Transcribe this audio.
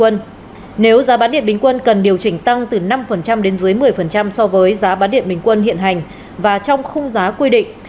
nếu giá bán điện bình quân cần điều chỉnh tăng từ năm đến dưới một mươi so với giá bán điện bình quân hiện hành và trong khung giá quy định